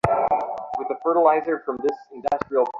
দেহভাব মন হইতে অপগত না হইলে মুক্তি হইবে না।